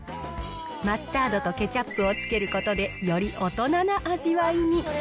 マスタードとケチャップをつけることで、より大人な味わいに。